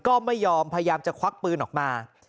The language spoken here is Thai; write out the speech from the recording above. ก็ไม่ยอมพยายามจะควักปืนออกมา